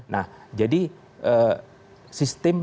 nah jadi sistem